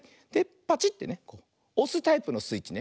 パチッてねおすタイプのスイッチね。